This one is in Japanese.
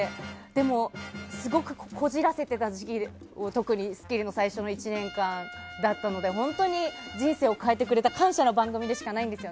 でも、すごくこじらせていた時期特に「スッキリ」の最初の１年間だったので本当に人生を変えてくれた感謝の番組でしかないです。